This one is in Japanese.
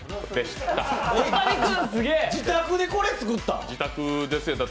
自宅でこれ、作った！？